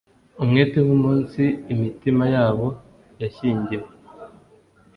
Umwete nkumunsi imitima yabo yashyingiwe